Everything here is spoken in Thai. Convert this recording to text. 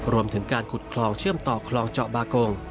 รวมถึงการขุดคลองเชื่อมต่อคลองเจาะบากง